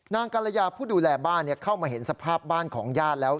กรยาผู้ดูแลบ้านเข้ามาเห็นสภาพบ้านของญาติแล้ว